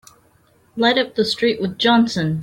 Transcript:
Light up with the street with Johnson!